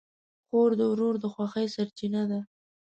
خور د ورور د خوښۍ سرچینه ده.